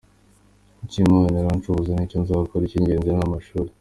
Icyo Imana izanshoboza nicyo nzakora; icy’ingenzi ni amashuri.